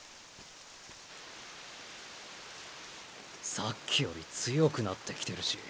さっきより強くなってきてるし。